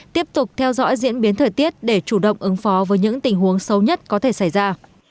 tiếp tục theo dõi diễn biến thời tiết để chủ động ứng phó với những tình huống xấu nhất có thể xảy ra